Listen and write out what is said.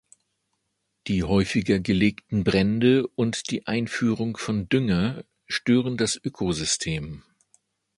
Die häufiger gelegten Brände und die Einführung von Dünger stören das Ökosystem.